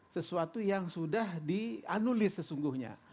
sesuatu yang sudah dianulis sesungguhnya